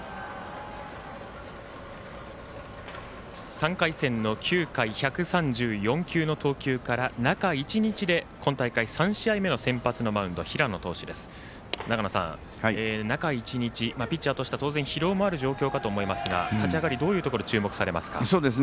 ３回戦の９回１３４球の投球から中１日で今大会、３回目の先発のマウンド平野投手です、中１日ピッチャーとしては当然、疲労もある状況かと思いますが立ち上がり、どういうところ注目されますか？